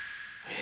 え？